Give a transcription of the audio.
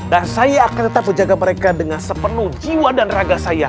dan saya akan tetap menjaga mereka dengan sepenuh jiwa dan raga saya